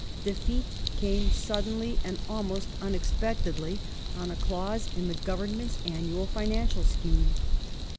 Defeat came suddenly and almost unex pectedly on a clause in the Government s annual financial .scheme.